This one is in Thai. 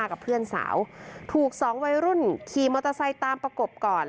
กับเพื่อนสาวถูกสองวัยรุ่นขี่มอเตอร์ไซค์ตามประกบก่อน